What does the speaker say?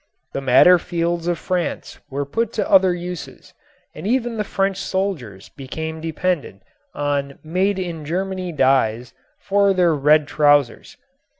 The madder fields of France were put to other uses and even the French soldiers became dependent on made in Germany dyes for their red trousers.